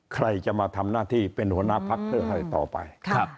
ใครจะมาทำหน้าที่เป็นหัวหน้าพักเพื่ออะไรต่อไป